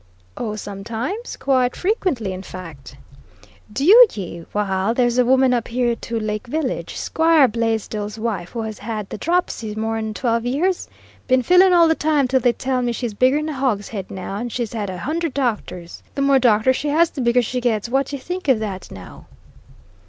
"O, sometimes; quite frequently, in fact." "Dew ye! waal, there's a woman up here to Lake Village, 'Squire Blaisdell's wife, who has had the dropsy more'n twelve years; been filling' all the time till they tell me she's bigger'n a hogshead now, and she's had a hundred doctors, and the more doctors she has the bigger she gets; what d' ye think of that now?"